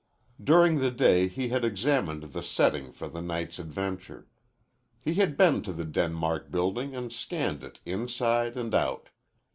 During the day he had examined the setting for the night's adventure. He had been to the Denmark Building and scanned it inside and out.